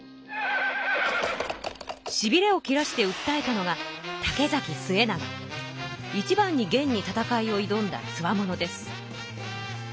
しびれを切らしてうったえたのがいちばんに元に戦いをいどんだつわものです。